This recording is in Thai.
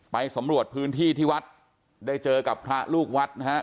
ไปสำรวจพื้นที่ที่วัดได้เจอกับพระลูกวัดนะฮะ